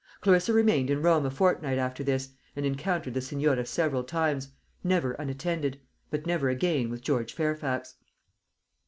Clarissa remained in Rome a fortnight after this, and encountered the Senora several times never unattended, but never again with George Fairfax.